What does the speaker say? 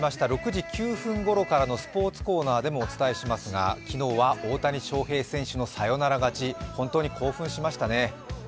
６時９分ごろからのスポーツコーナーでもお伝えしますが、昨日は大谷翔平選手のサヨナラ勝ち本当に興奮しましたね。